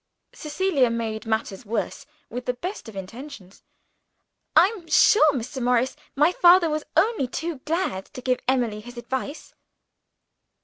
Cecilia made matters worse with the best intentions. "I'm sure, Mr. Morris, my father was only too glad to give Emily his advice."